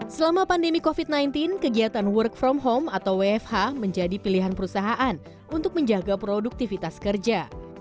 selama pandemi covid sembilan belas kegiatan work from home atau wfh menjadi pilihan perusahaan untuk menjaga produktivitas kerja